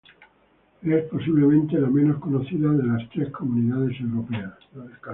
Es posiblemente la menos conocida de las tres Comunidades Europeas.